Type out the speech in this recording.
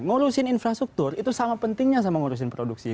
ngurusin infrastruktur itu sama pentingnya sama ngurusin produksi